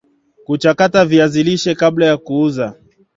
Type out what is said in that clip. kuchakata viazi lishe kabla ya kuuza